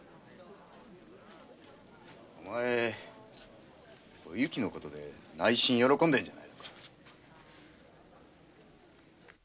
お前お雪の事で内心喜んでるんじゃないのか。